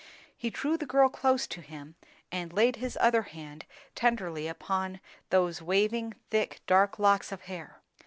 He drew the girl close to him, and laid his other hand tenderly upon those waving, thick, dark locks of hair.